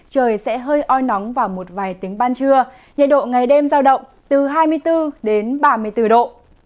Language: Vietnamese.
trời sẽ hơi oi nóng vào một vài tiếng ban trưa nhiệt độ ngày đêm giao động từ hai mươi bốn đến ba mươi bốn độ